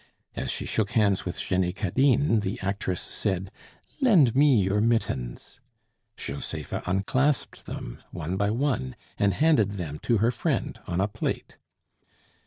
As she shook hands with Jenny Cadine, the actress said, "Lend me your mittens!" Josepha unclasped them one by one and handed them to her friend on a plate.